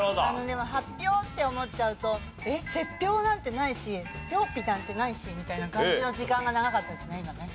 でも発表って思っちゃうと説表なんてないし表日なんてないしみたいな感じの時間が長かったですね今ね。